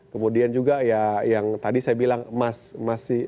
kemudian juga ya yang tadi saya bilang emas